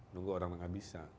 tunggu orang yang gak bisa